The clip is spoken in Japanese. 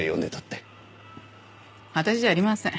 私じゃありません。